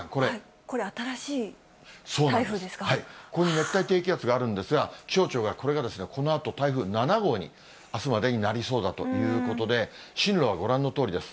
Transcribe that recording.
熱帯低気圧があるんですが、台風７号に、あすまでになりそうだということで、進路はご覧のとおりです。